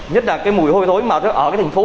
nhất là cái mùi hôi thối mà nó ở cái thành phố